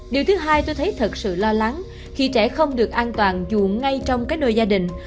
điều thứ hai tôi thấy thật sự lo lắng khi trẻ không được an toàn dù ngay trong cái nơi gia đình